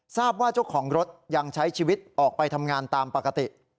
ทราบว่าเจ้าของรถยังใช้ชีวิตออกไปทำงานตามปกติ